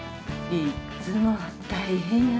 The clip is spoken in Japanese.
いっつも大変やな。